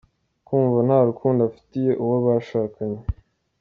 Kumva nta rukundo afitiye uwo bashakanye .